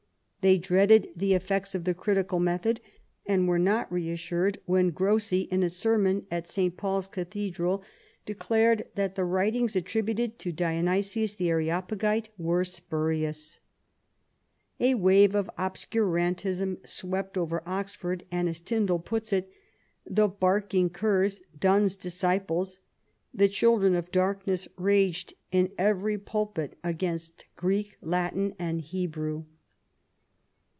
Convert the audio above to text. They dreaded the effects of the critical method, and were VIII WOLSEY'S DOMESTIC POLICY 145 not reassured when Grocyn, in a sermon at St. Paul's Cathedral, declared that the writings attributed to Dionysius the Areopagite were spurious. A wave of obscurantism swept over Oxford, and, as Tyndale puts it, " the barking curs. Dun's disciples, the children of dark ness, raged in every pulpit against Greek, Latin, and Hebrew."